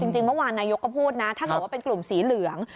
จริงเมื่อวานนายกก็พูดนะถ้าเกิดว่าเป็นกลุ่มสีเหลือง